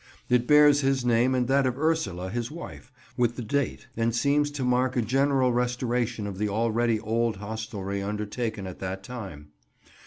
It bears his name and that of Ursula his wife, with the date, and seems to mark a general restoration of the already old hostelry undertaken at that time.